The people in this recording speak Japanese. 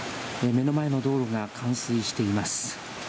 目の前の道路が冠水しています。